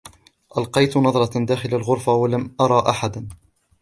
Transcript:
ألقيت نظرة داخل الغرفة و لم أرى أحدا.